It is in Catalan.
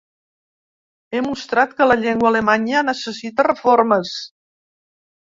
He mostrat que la llengua alemanya necessita reformes.